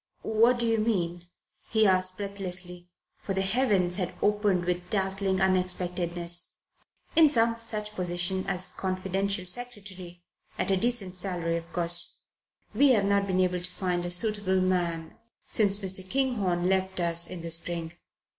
"What do you mean?" he asked breathlessly, for the heavens had opened with dazzling unexpectedness. "In some such position as confidential secretary at a decent salary, of course. We've not been able to find a suitable man since Mr. Kinghorne left us in the spring.